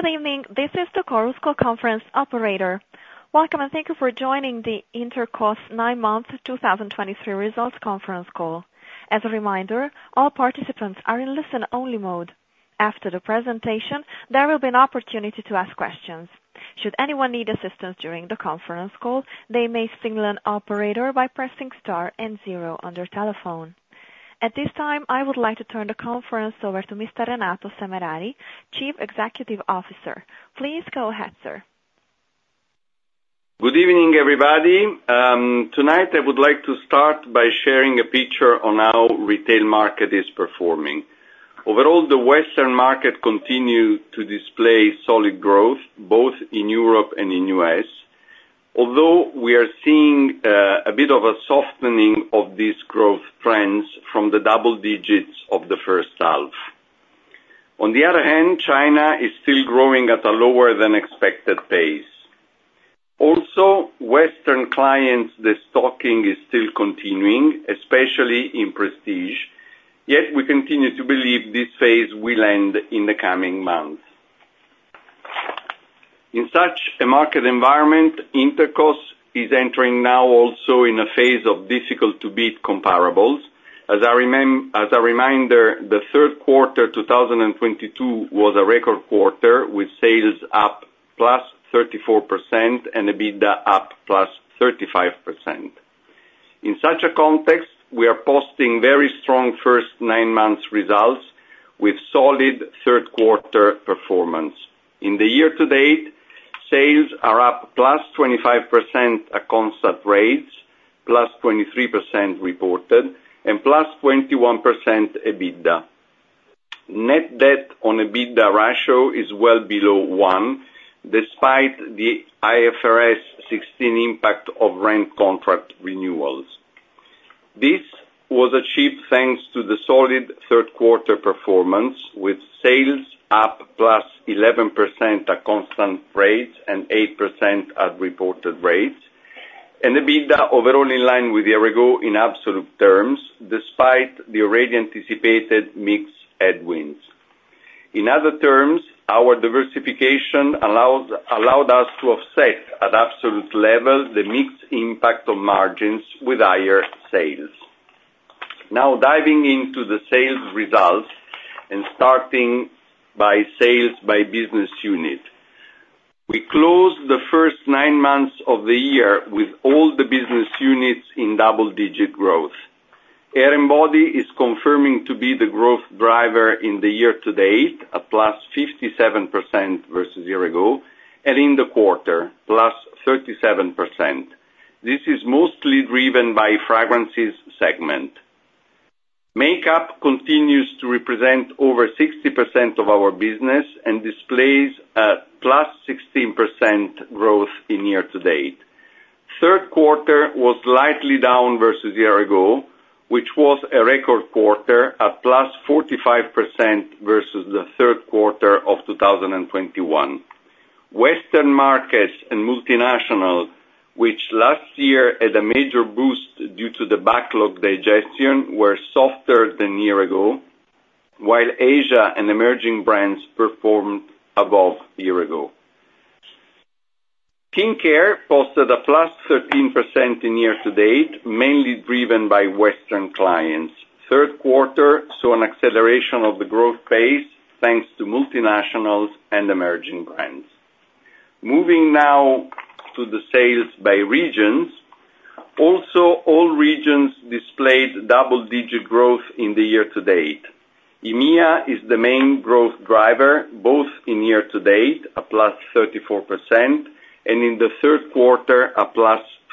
Good evening. This is the Chorus Call conference operator. Welcome, and thank you for joining the Intercos nine-month 2023 results conference call. As a reminder, all participants are in listen-only mode. After the presentation, there will be an opportunity to ask questions. Should anyone need assistance during the conference call, they may signal an operator by pressing star and zero on their telephone. At this time, I would like to turn the conference over to Mr. Renato Semerari, Chief Executive Officer. Please go ahead, sir. Good evening, everybody. Tonight, I would like to start by sharing a picture on how retail market is performing. Overall, the Western market continue to display solid growth, both in Europe and in U.S., although we are seeing a bit of a softening of these growth trends from the double digits of the first half. On the other hand, China is still growing at a lower than expected pace. Also, Western clients, the destocking is still continuing, especially in prestige, yet we continue to believe this phase will end in the coming months. In such a market environment, Intercos is entering now also in a phase of difficult-to-beat comparables. As a reminder, the third quarter, 2022 was a record quarter, with sales up +34% and EBITDA up +35%. In such a context, we are posting very strong first nine months results with solid third quarter performance. In the year to date, sales are up +25% at constant rates, +23% reported, and +21% EBITDA. Net debt on EBITDA ratio is well below one, despite the IFRS 16 impact of rent contract renewals. This was achieved thanks to the solid third quarter performance, with sales up +11% at constant rates and 8% at reported rates, and EBITDA overall in line with the year ago in absolute terms, despite the already anticipated mix headwinds. In other terms, our diversification allows, allowed us to offset, at absolute level, the mix impact on margins with higher sales. Now, diving into the sales results and starting by sales by business unit. We closed the first 9 months of the year with all the business units in double-digit growth. Hair and Body is confirming to be the growth driver in the year to date, a +57% versus year ago, and in the quarter, +37%. This is mostly driven by fragrances segment. Makeup continues to represent over 60% of our business and displays a +16% growth in year to date. Third quarter was slightly down versus year ago, which was a record quarter, at +45% versus the third quarter of 2021. Western markets and multinationals, which last year had a major boost due to the backlog digestion, were softer than year ago, while Asia and emerging brands performed above the year ago. Skincare posted a +13% in year to date, mainly driven by Western clients. Third quarter saw an acceleration of the growth pace, thanks to multinationals and emerging brands. Moving now to the sales by regions. Also, all regions displayed double-digit growth in the year to date. EMEA is the main growth driver, both in year to date, +34%, and in the third quarter,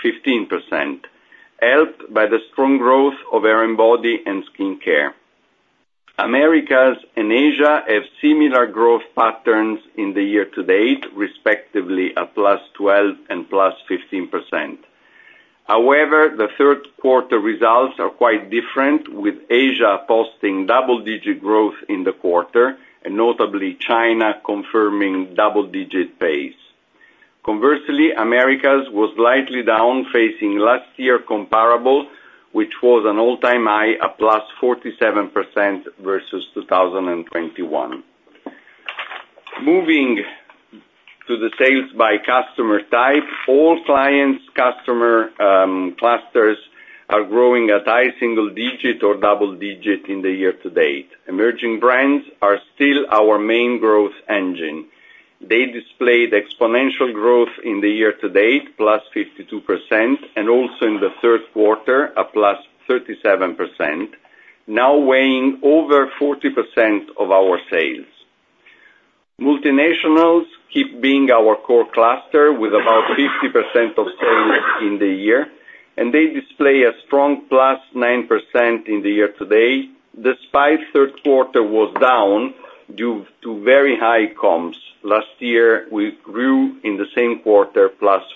+15%, helped by the strong growth of Hair and Body and Skincare. Americas and Asia have similar growth patterns in the year to date, respectively, +12% and +15%. However, the third quarter results are quite different, with Asia posting double-digit growth in the quarter, and notably China confirming double-digit pace. Conversely, Americas was slightly down facing last year comparable, which was an all-time high, +47% versus 2021. Moving to the sales by customer type, all clients, customer, clusters are growing at high single digit or double digit in the year to date. Emerging brands are still our main growth engine. They displayed exponential growth in the year to date, +52%, and also in the third quarter, a +37%, now weighing over 40% of our sales. Multinationals keep being our core cluster with about 50% of sales in the year, and they display a strong +9% in the year to date, despite third quarter was down due to very high comps. Last year, we grew in the same quarter,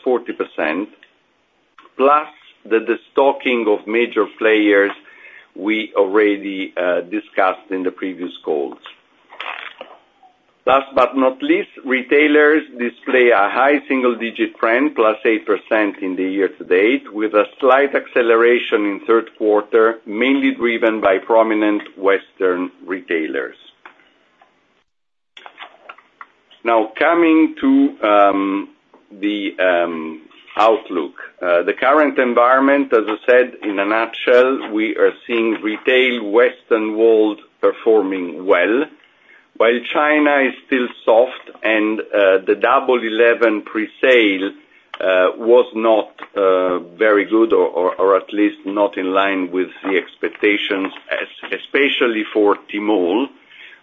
+40%, plus the destocking of major players we already discussed in the previous calls. Last but not least, retailers display a high single digit trend, +8% in the year to date, with a slight acceleration in third quarter, mainly driven by prominent Western retailers. Now, coming to the outlook. The current environment, as I said, in a nutshell, we are seeing retail Western world performing well, while China is still soft and the Double Eleven presale was not very good or at least not in line with the expectations, especially for Tmall,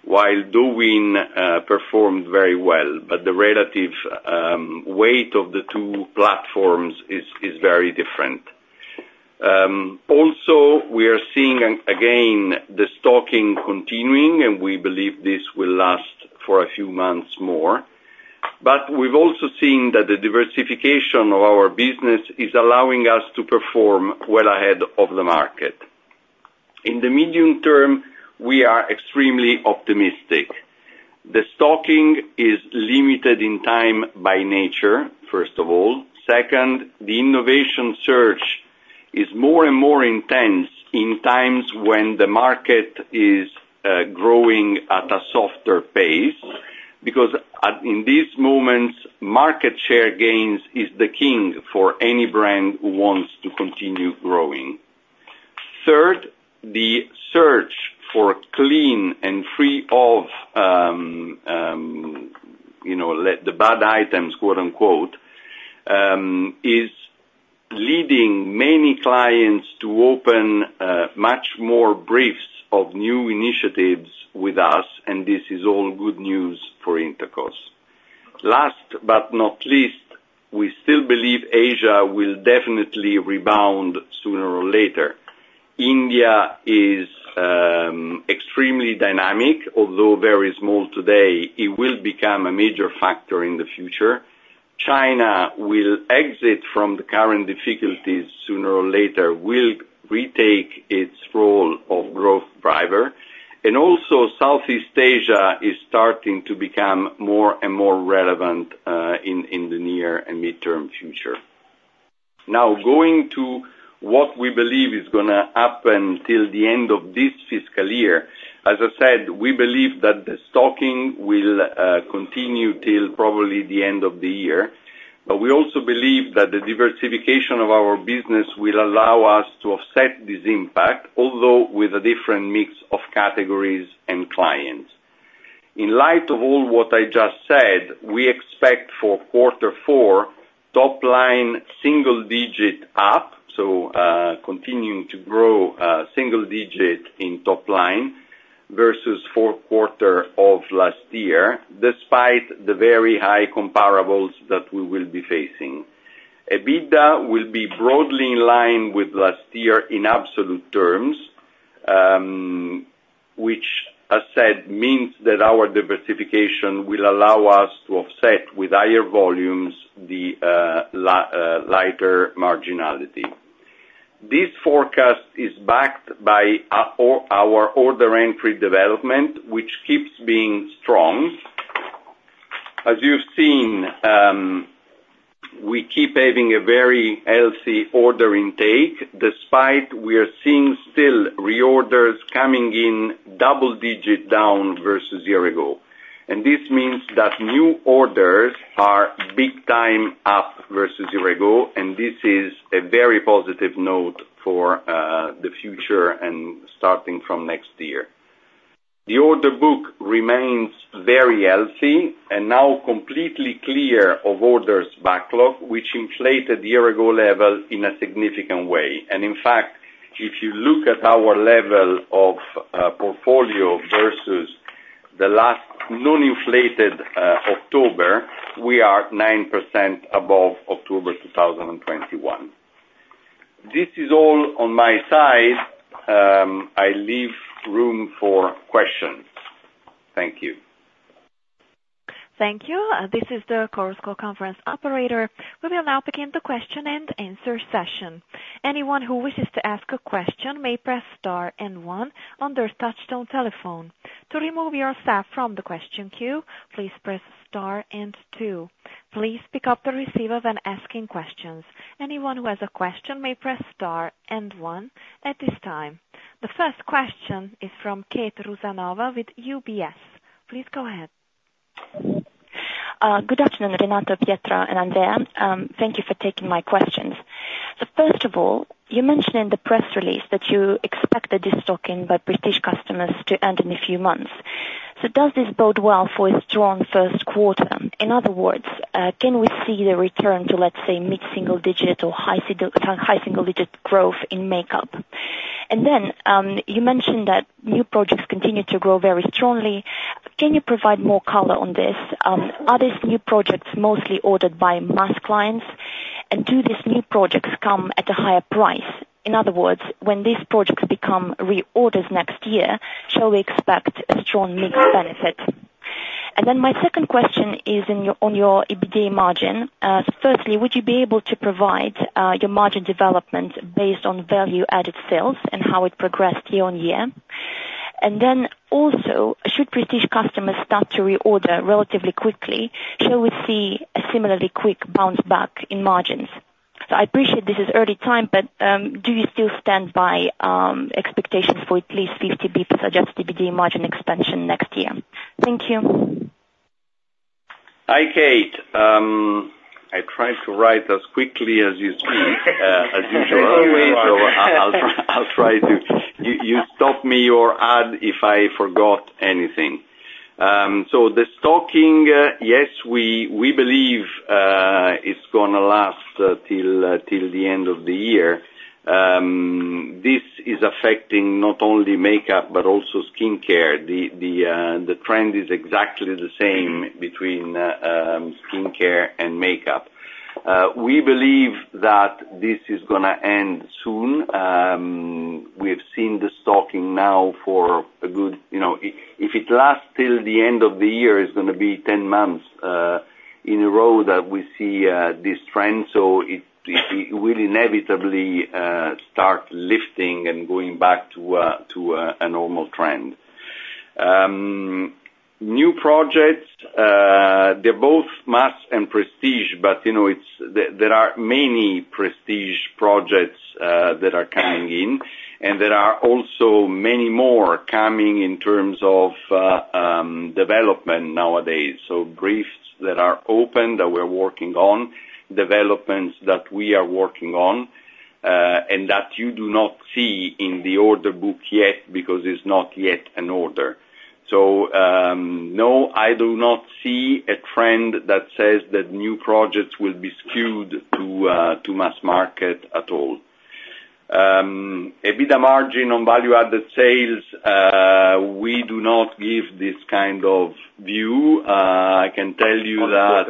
while Douyin performed very well. But the relative weight of the two platforms is very different. Also, we are seeing, again, destocking continuing, and we believe this will last for a few months more. But we've also seen that the diversification of our business is allowing us to perform well ahead of the market. In the medium term, we are extremely optimistic. Destocking is limited in time by nature, first of all. Second, the innovation search is more and more intense in times when the market is growing at a softer pace, because in these moments, market share gains is the king for any brand who wants to continue growing. Third, the search for clean and free of, you know, let the bad items, quote, unquote, is leading many clients to open much more briefs of new initiatives with us, and this is all good news for Intercos. Last but not least, we still believe Asia will definitely rebound sooner or later. India is extremely dynamic. Although very small today, it will become a major factor in the future. China will exit from the current difficulties sooner or later, will retake its role of growth driver, and also Southeast Asia is starting to become more and more relevant in the near and midterm future. Now, going to what we believe is gonna happen till the end of this fiscal year, as I said, we believe that destocking will continue till probably the end of the year. But we also believe that the diversification of our business will allow us to offset this impact, although with a different mix of categories and clients. In light of all what I just said, we expect for quarter four, top line, single digit up, so continuing to grow single digit in top line versus fourth quarter of last year, despite the very high comparables that we will be facing. EBITDA will be broadly in line with last year in absolute terms, which, as said, means that our diversification will allow us to offset with higher volumes, the lighter marginality. This forecast is backed by our order entry development, which keeps being strong. As you've seen, we keep having a very healthy order intake, despite we are seeing still reorders coming in double-digit down versus a year ago. And this means that new orders are big time up versus a year ago, and this is a very positive note for the future and starting from next year. The order book remains very healthy and now completely clear of orders backlog, which inflated the year ago level in a significant way. In fact, if you look at our level of portfolio versus the last non-inflated October, we are 9% above October 2021. This is all on my side. I leave room for questions. Thank you. Thank you. This is the Chorus Call conference operator. We will now begin the question and answer session. Anyone who wishes to ask a question may press star and one on their touchtone telephone. To remove yourself from the question queue, please press star and two. Please pick up the receiver when asking questions. Anyone who has a question may press star and one at this time. The first question is from Kate Rusanova with UBS. Please go ahead. Good afternoon, Renato, Pietro, and Andrea. Thank you for taking my questions. So first of all, you mentioned in the press release that you expect the destocking by British customers to end in a few months. So does this bode well for a strong first quarter? In other words, can we see the return to, let's say, mid-single digit or high single, high single digit growth in makeup? And then, you mentioned that new projects continue to grow very strongly. Can you provide more color on this? Are these new projects mostly ordered by mass clients? And do these new projects come at a higher price? In other words, when these projects become reorders next year, shall we expect a strong mix benefit? And then my second question is on your EBITDA margin. Firstly, would you be able to provide your margin development based on value-added sales and how it progressed year-on-year? And then also, should prestige customers start to reorder relatively quickly, shall we see a similarly quick bounce back in margins? So I appreciate this is early time, but do you still stand by expectations for at least 50 basis point adjusted EBITDA margin expansion next year? Thank you. Hi, Kate. I tried to write as quickly as you speak, as usual. So I'll try to. You stop me or add if I forgot anything. So the destocking, yes, we believe it's gonna last till the end of the year. This is affecting not only makeup but also Skincare. The trend is exactly the same between Skincare and makeup. We believe that this is gonna end soon. We have seen the destocking now for a good, you know, if it lasts till the end of the year, it's gonna be 10 months in a row that we see this trend, so it will inevitably start lifting and going back to a normal trend. New projects, they're both mass and prestige, but, you know, there are many prestige projects that are coming in, and there are also many more coming in terms of development nowadays. So briefs that are open, that we're working on, developments that we are working on, and that you do not see in the order book yet because it's not yet an order. So, no, I do not see a trend that says that new projects will be skewed to mass market at all. EBITDA margin on value-added sales, we do not give this kind of view. I can tell you that-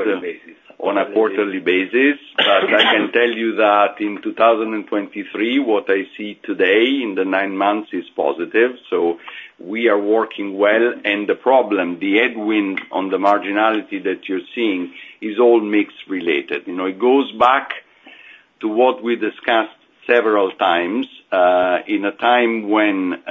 On a quarterly basis. But I can tell you that in 2023, what I see today in the nine months is positive, so we are working well. And the problem, the headwind on the marginality that you're seeing, is all mix related. You know, it goes back to what we discussed several times. In a time when,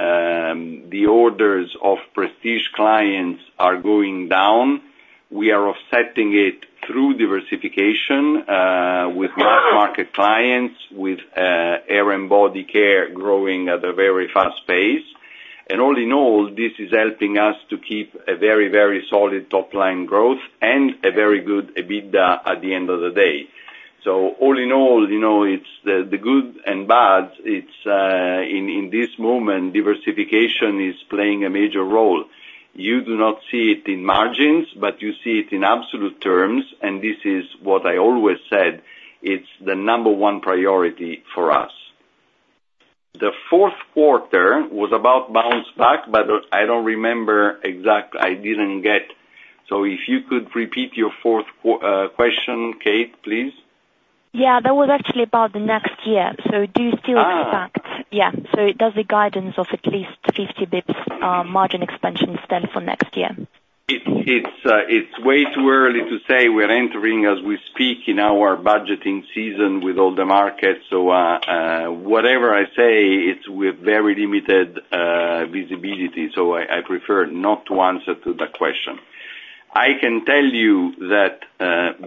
the orders of prestige clients are going down, we are offsetting it through diversification, with mass market clients, with, hair and body care growing at a very fast pace. And all in all, this is helping us to keep a very, very solid top line growth and a very good EBITDA at the end of the day. So all in all, you know, it's the good and bad, it's, in this moment, diversification is playing a major role. You do not see it in margins, but you see it in absolute terms, and this is what I always said, it's the number one priority for us. The fourth quarter was about bounce back, but I don't remember exactly. I didn't get. So if you could repeat your fourth question, Kate, please. Yeah, that was actually about the next year. So do you still expect? Ah. Yeah. So does the guidance of at least 50 BPs margin expansion stand for next year? It's way too early to say. We're entering, as we speak, in our budgeting season with all the markets. So, whatever I say, it's with very limited visibility, so I prefer not to answer that question. I can tell you that,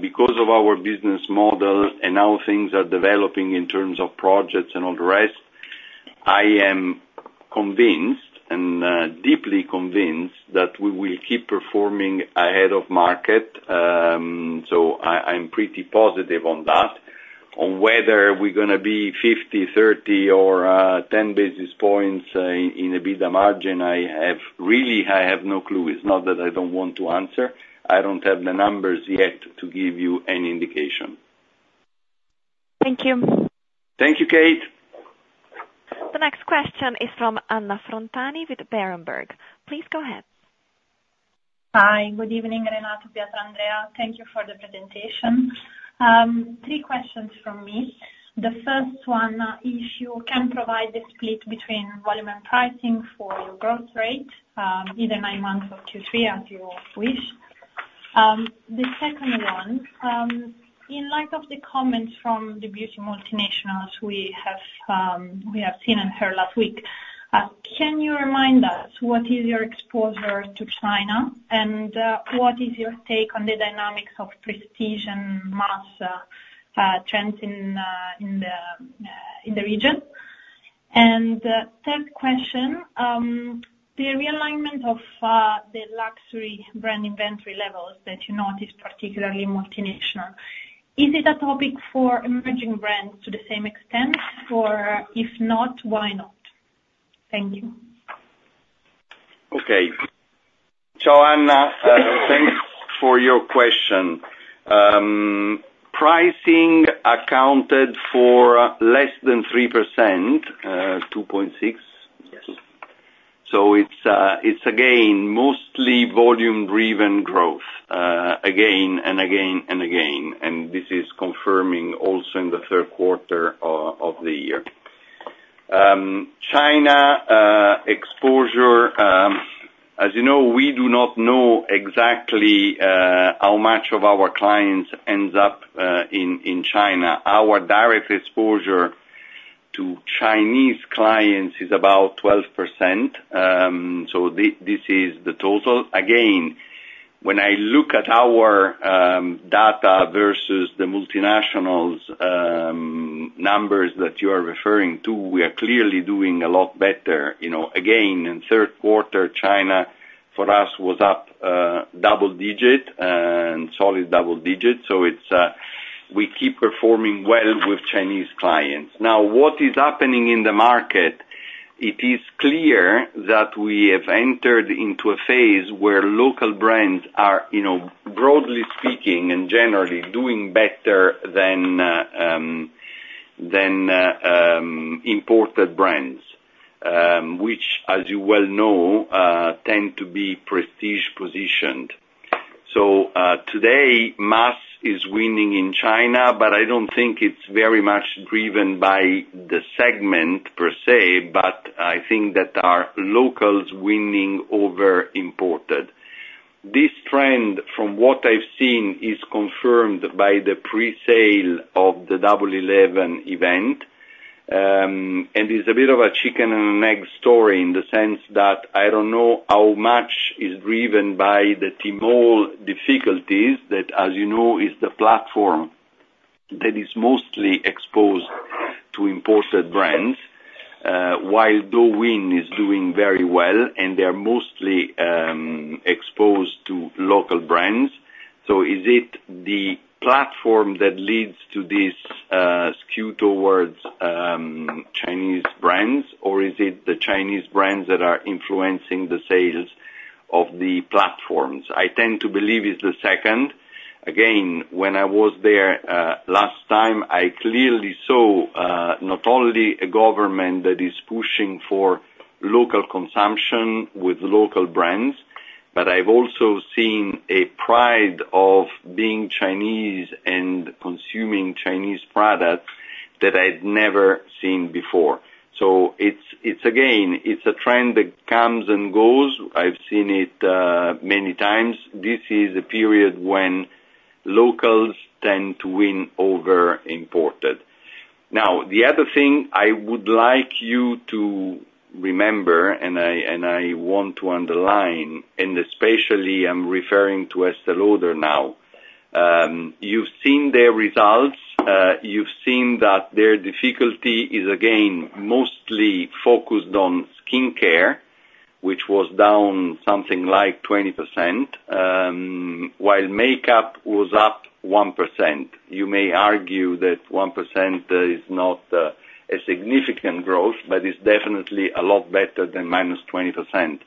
because of our business model and how things are developing in terms of projects and all the rest, I am convinced, and deeply convinced that we will keep performing ahead of market. So I'm pretty positive on that. On whether we're gonna be 50, 30 or 10 basis points in EBITDA margin, I have really no clue. It's not that I don't want to answer, I don't have the numbers yet to give you any indication. Thank you. Thank you, Kate. The next question is from Anna Frontani with Berenberg. Please go ahead. Hi. Good evening, Renato, Pietro, Andrea. Thank you for the presentation. Three questions from me. The first one, if you can provide the split between volume and pricing for your growth rate, either nine months or Q3, as you wish. The second one, in light of the comments from the beauty multinationals we have, we have seen and heard last week, can you remind us, what is your exposure to China? And, what is your take on the dynamics of prestige and mass, trends in the region? And, third question, the realignment of, the luxury brand inventory levels that you noticed, particularly multinational, is it a topic for emerging brands to the same extent? Or if not, why not? Thank you. Okay. So Anna, thanks for your question. Pricing accounted for less than 3%, 2.6%. Yes. So it's again mostly volume-driven growth, again and again and again, and this is confirming also in the third quarter of the year. China exposure... As you know, we do not know exactly how much of our clients ends up in, in China. Our direct exposure to Chinese clients is about 12%, so this is the total. Again, when I look at our data versus the multinationals numbers that you are referring to, we are clearly doing a lot better. You know, again, in third quarter, China, for us, was up double-digit and solid double-digit, so it's we keep performing well with Chinese clients. Now, what is happening in the market, it is clear that we have entered into a phase where local brands are, you know, broadly speaking, and generally, doing better than than imported brands, which as you well know, tend to be prestige positioned. So, today, mass is winning in China, but I don't think it's very much driven by the segment per se, but I think that are locals winning over imported. This trend, from what I've seen, is confirmed by the presale of the Double Eleven event, and it's a bit of a chicken and an egg story, in the sense that I don't know how much is driven by the Tmall difficulties, that, as you know, is the platform that is mostly exposed to imported brands, while Douyin is doing very well, and they are mostly, exposed to local brands. So is it the platform that leads to this, skew towards, Chinese brands? Or is it the Chinese brands that are influencing the sales of the platforms? I tend to believe it's the second. Again, when I was there, last time, I clearly saw, not only a government that is pushing for local consumption with local brands, but I've also seen a pride of being Chinese and consuming Chinese products that I'd never seen before. So it's, it's again, it's a trend that comes and goes. I've seen it, many times. This is a period when locals tend to win over imported. Now, the other thing I would like you to remember, and I, and I want to underline, and especially I'm referring to Estée Lauder now. You've seen their results, you've seen that their difficulty is, again, mostly focused on Skincare, which was down something like 20%, while makeup was up 1%. You may argue that 1% is not a significant growth, but it's definitely a lot better than -20%.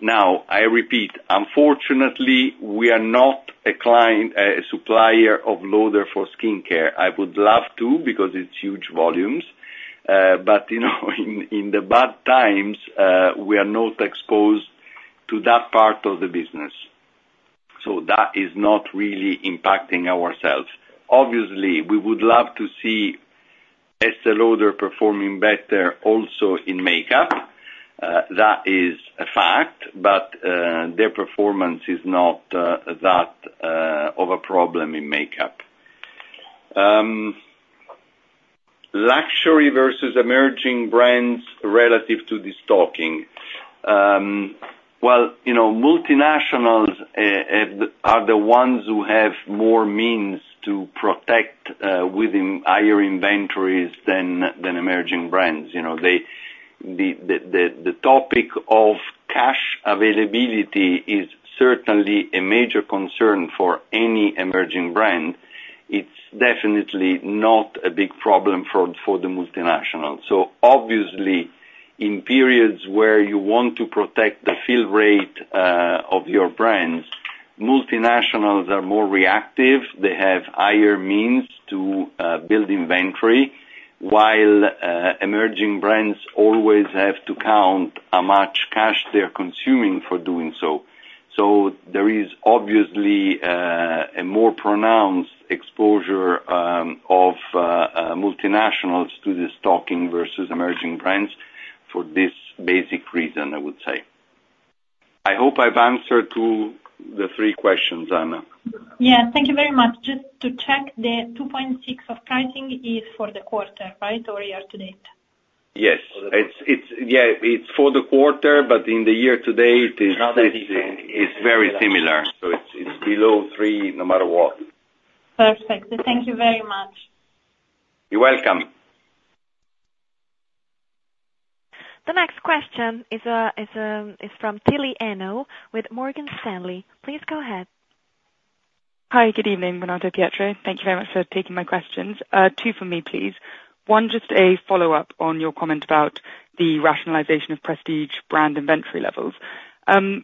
Now, I repeat, unfortunately, we are not a client, a supplier of Estée Lauder for Skincare. I would love to, because it's huge volumes, but, you know, in the bad times, we are not exposed to that part of the business. So that is not really impacting ourselves. Obviously, we would love to see Estée Lauder performing better also in makeup. That is a fact, but, their performance is not that of a problem in makeup. Luxury versus emerging brands relative to destocking. Well, you know, multinationals are the ones who have more means to protect within higher inventories than emerging brands. You know, they... The topic of cash availability is certainly a major concern for any emerging brand. It's definitely not a big problem for the multinational. So obviously, in periods where you want to protect the fill rate of your brands, multinationals are more reactive. They have higher means to build inventory, while emerging brands always have to count how much cash they are consuming for doing so. So there is obviously a more pronounced exposure of multinationals to destocking versus emerging brands for this basic reason, I would say. I hope I've answered to the three questions, Anna. Yeah, thank you very much. Just to check, the 2.6 of pricing is for the quarter, right? Or year-to-date? Yes, it's... Yeah, it's for the quarter, but in the year-to-date, it's very similar. So it's below three, no matter what. Perfect. Thank you very much. You're welcome. The next question is from Tilly Eno with Morgan Stanley. Please go ahead. Hi, good evening, Renato, Pietro. Thank you very much for taking my questions. Two for me, please. One, just a follow-up on your comment about the rationalization of prestige brand inventory levels.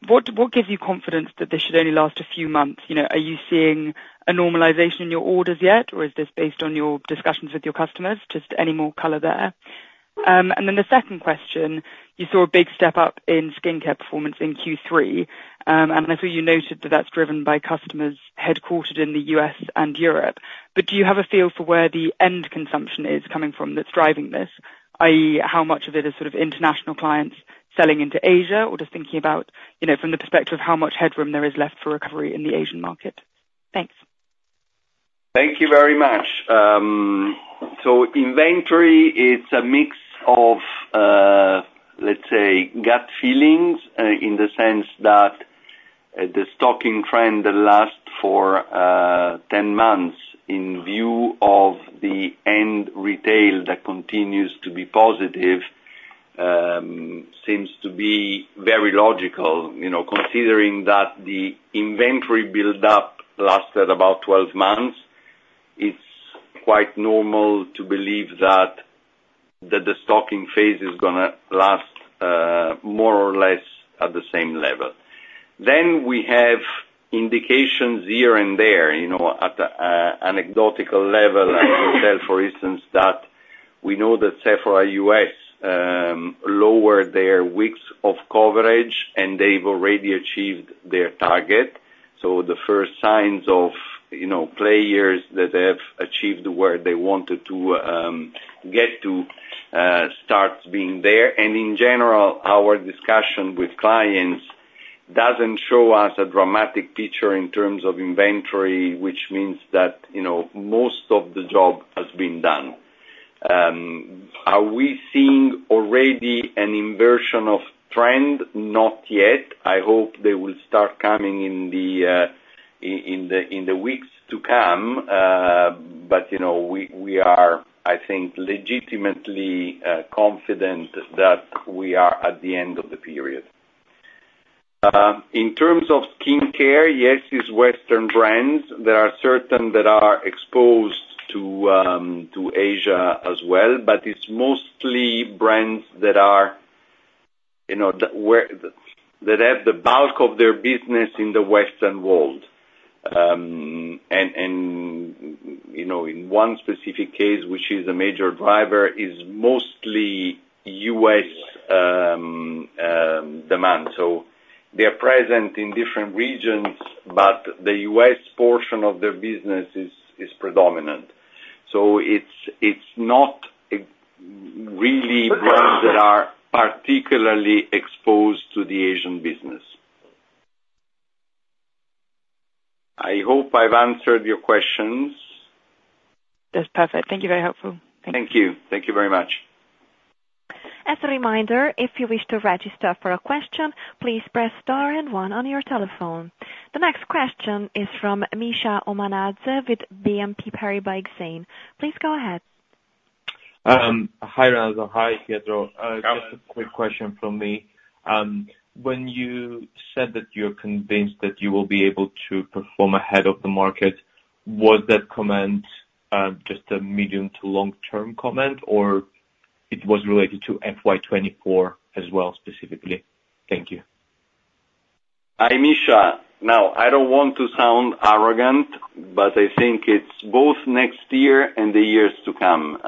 What, what gives you confidence that this should only last a few months? You know, are you seeing a normalization in your orders yet, or is this based on your discussions with your customers? Just any more color there. And then the second question: you saw a big step up in Skincare performance in Q3, and I think you noted that that's driven by customers headquartered in the U.S. and Europe. But do you have a feel for where the end consumption is coming from that's driving this? I.e., how much of it is sort of international clients selling into Asia, or just thinking about, you know, from the perspective of how much headroom there is left for recovery in the Asian market? Thanks. Thank you very much. So inventory is a mix of, let's say, gut feelings, in the sense that, destocking trend that last for, 10 months, in view of the end retail that continues to be positive, seems to be very logical. You know, considering that the inventory build-up lasted about 12 months, it's quite normal to believe that, that destocking phase is gonna last, more or less at the same level. Then we have indications here and there, you know, at the, anecdotal level, for instance, that we know that Sephora US, lowered their weeks of coverage, and they've already achieved their target. So the first signs of, you know, players that have achieved where they wanted to, get to, starts being there. And in general, our discussion with clients doesn't show us a dramatic picture in terms of inventory, which means that, you know, most of the job has been done. Are we seeing already an inversion of trend? Not yet. I hope they will start coming in the weeks to come. But, you know, we are, I think, legitimately confident that we are at the end of the period. In terms of Skincare, yes, it's Western brands. There are certain that are exposed to Asia as well, but it's mostly brands that are, you know, that have the bulk of their business in the Western world. And, you know, in one specific case, which is a major driver, is mostly U.S. demand. So they're present in different regions, but the U.S. portion of their business is predominant. So it's not really brands that are particularly exposed to the Asian business. I hope I've answered your questions. That's perfect. Thank you, very helpful. Thank you. Thank you very much. As a reminder, if you wish to register for a question, please press star and one on your telephone. The next question is from Mikheil Omanadze with BNP Paribas Exane. Please go ahead. Hi, Renato. Hi, Pietro. Just a quick question from me. When you said that you're convinced that you will be able to perform ahead of the market, was that comment just a medium to long-term comment, or it was related to FY 2024 as well, specifically? Thank you. Hi, Mikheil. Now, I don't want to sound arrogant, but I think it's both next year and the years to come.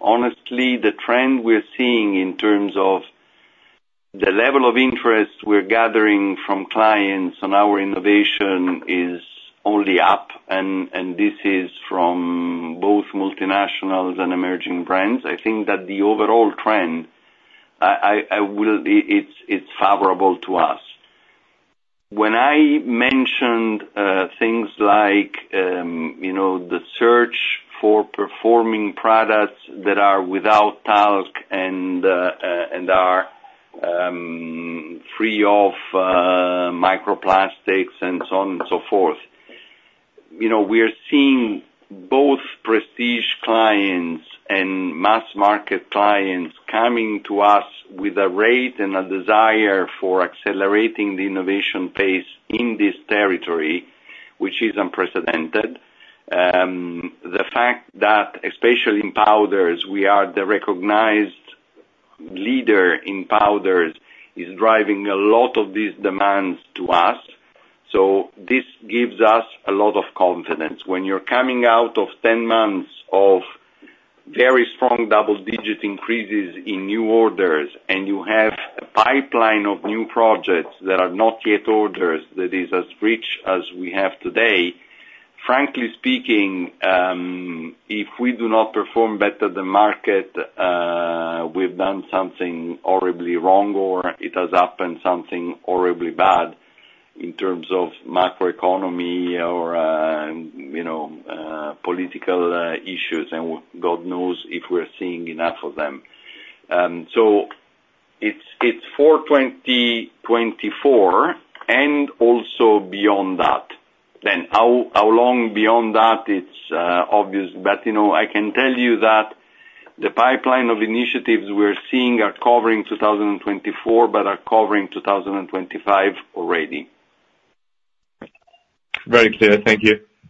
Honestly, the trend we're seeing in terms of the level of interest we're gathering from clients on our innovation is only up, and this is from both multinationals and emerging brands. I think that the overall trend, it's favorable to us. When I mentioned things like, you know, the search for performing products that are without talc and are free of microplastics and so on and so forth, you know, we are seeing both prestige clients and mass market clients coming to us with a rate and a desire for accelerating the innovation pace in this territory, which is unprecedented. The fact that, especially in powders, we are the recognized leader in powders, is driving a lot of these demands to us. So this gives us a lot of confidence. When you're coming out of ten months of very strong double-digit increases in new orders, and you have a pipeline of new projects that are not yet orders, that is as rich as we have today, frankly speaking, if we do not perform better than market, we've done something horribly wrong, or it has happened something horribly bad in terms of macroeconomy or, you know, political issues, and God knows if we're seeing enough of them. So it's for 2024 and also beyond that. Then, how long beyond that? It's obvious, but, you know, I can tell you that the pipeline of initiatives we're seeing are covering 2024, but are covering 2025 already. Very clear. Thank you.